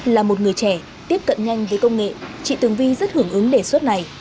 là một người trẻ tiếp cận nhanh với công nghệ chị tường vi rất hưởng ứng đề xuất này